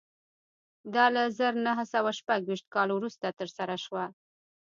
دا له زر نه سوه شپږ ویشت کال وروسته ترسره شوه